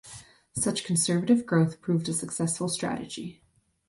Such conservative growth proved a successful strategy.